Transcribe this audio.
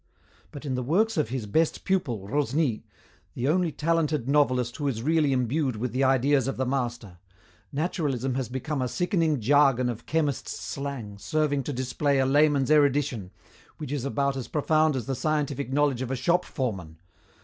But in the works of his best pupil, Rosny, the only talented novelist who is really imbued with the ideas of the master, naturalism has become a sickening jargon of chemist's slang serving to display a layman's erudition, which is about as profound as the scientific knowledge of a shop foreman.